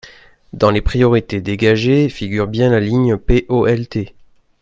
Dans les priorités dégagées figure bien la ligne POLT.